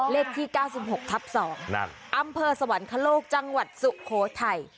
เลขที่๙๖ทับ๒อำเภอสวรรคโลกจังหวัดสุโขทัย